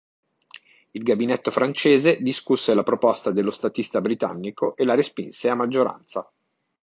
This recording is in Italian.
Il gabinetto francese discusse la proposta dello statista britannico e la respinse a maggioranza.